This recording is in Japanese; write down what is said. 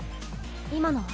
今のは？